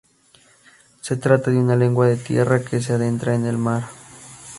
Se trata de una lengua de tierra que se adentra en el mar.